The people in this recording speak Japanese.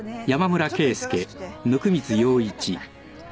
あっ。